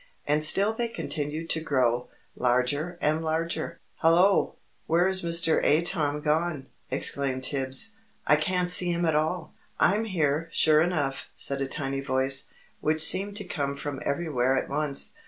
And still they continued to grow, larger and larger. "Hallo! Where is Mr. Atom gone?" exclaimed Tibbs. "I can't see him at all." "I'm here, sure enough," said a tiny voice, which seemed to come from everywhere at once.